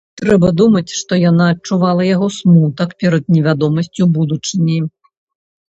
Трэба думаць, што яна адчувала яго смутак перад невядомасцю будучыні.